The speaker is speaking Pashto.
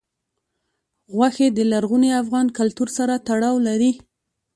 غوښې د لرغوني افغان کلتور سره تړاو لري.